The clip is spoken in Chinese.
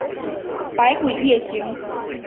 百鬼夜行。